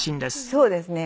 そうですね。